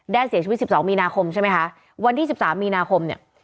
แด้เสียชีวิตสิบสองมีนาคมใช่ไหมคะวันที่สิบสามมีนาคมเนี่ย